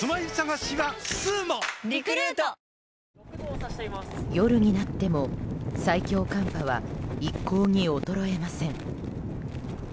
東京海上日動夜になっても最強寒波は一向に衰えません。